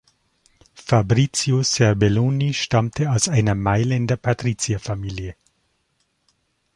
Fabrizio Serbelloni stammte aus einer Mailänder Patrizierfamilie.